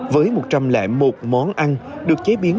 với một trăm linh một món ăn được chế biến